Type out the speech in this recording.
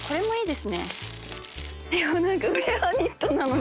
でも何か。